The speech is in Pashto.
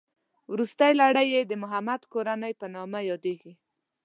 روستۍ لړۍ یې د محمد کورنۍ په نامه یادېږي.